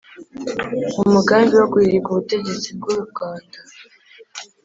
mu mugambi wo guhirika ubutegetsi bw’ u rwanda